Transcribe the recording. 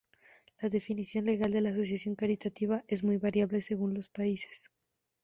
La definición legal de asociación caritativa es muy variable según los países.